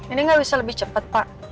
ini nggak bisa lebih cepat pak